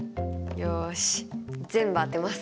よし全部当てます。